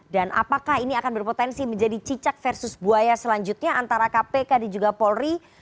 dan apakah ini akan berpotensi menjadi cicak versus buaya selanjutnya antara kpk dan juga polri